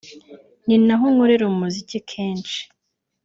ni naho nkorera umuziki kenshi